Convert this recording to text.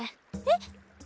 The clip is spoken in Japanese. えっ？